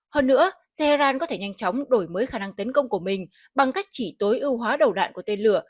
hơn nữa tehran có thể nhanh chóng đổi mới khả năng tấn công của mình bằng cách chỉ tối ưu hóa đầu đạn của tên lửa